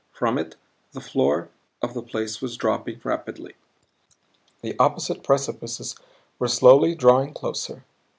From it the floor of the place was dropping rapidly. The opposite precipices were slowly drawing closer.